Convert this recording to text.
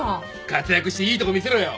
活躍していいとこ見せろよ。